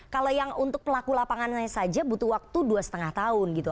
kalau yang untuk pelaku lapangannya saja butuh waktu dua lima tahun gitu